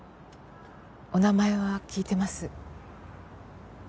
お名前は聞いてます。